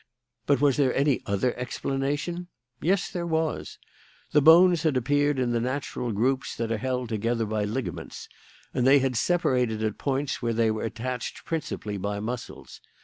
But was there any other explanation? Yes, there was. The bones had appeared in the natural groups that are held together by ligaments; and they had separated at points where they were attached principally by muscles.